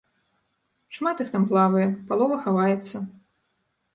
Шмат іх там плавае, палова хаваецца.